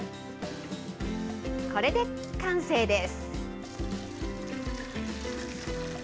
これで完成です。